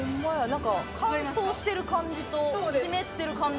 なんか乾燥してる感じと湿ってる感じで。